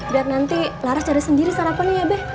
biar nanti laras cari sendiri sarapannya ya be